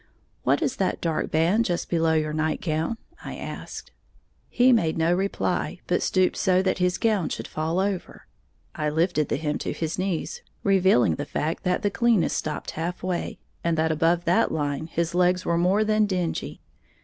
"What is that dark band just below your nightgown?" I asked. He made no reply, but stooped so that his gown should fall lower. I lifted the hem to his knees, revealing the fact that the cleanness stopped half way, and that above that line his legs were more than dingy.